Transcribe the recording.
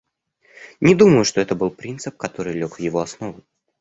Не думаю, что это был принцип, который лег в его основу.